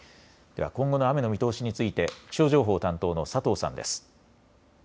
では今後の雨の見通しについて気象情報担当の佐藤さんです。